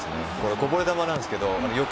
こぼれ球なんですけど、よく。